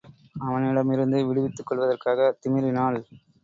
அவனிடமிருந்து விடுவித்துக் கொள்வதற்காகத் திமிறினாள்.